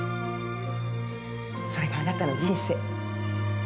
それがあなたの人生。